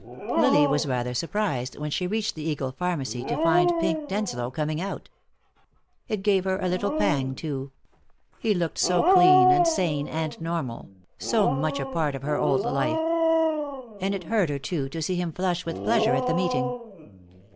Lily was rather surprised, when she reached the Eagle Pharmacy, to find Pink Denslow coming out. It gave her a little pang, too; he looked so clean and sane and normal, so much a part of her old life. And it hurt her, too, to see him flush with pleasure at the meeting.